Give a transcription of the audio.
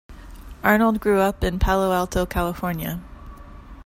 Arnold grew up in Palo Alto, California.